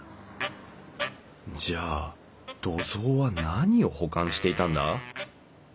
じゃあ土蔵は何を保管していたんだ？